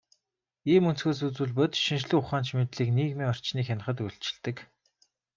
Ийм өнцгөөс үзвэл, бодит шинжлэх ухаанч мэдлэг нийгмийн орчныг хянахад үйлчилдэг.